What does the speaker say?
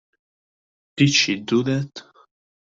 Did she do that?